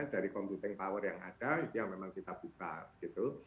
dari computing power yang ada ya memang kita buka gitu